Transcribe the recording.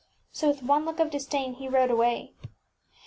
So with one look of disdain he rode away.